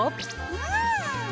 うん！